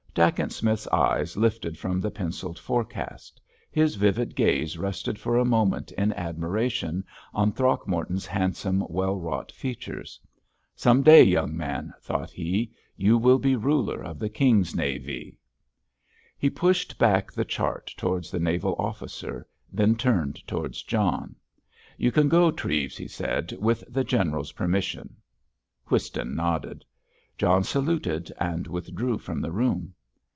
Dacent Smith's eyes lifted from the pencilled forecast. His vivid gaze rested for a minute in admiration on Throgmorton's handsome, well wrought features. "Some day, young man," thought he, "you will be ruler of the King's Navy." He pushed back the chart towards the naval officer; then turned towards John. "You can go, Treves," he said, "with the General's permission." Whiston nodded. John saluted and withdrew from the room.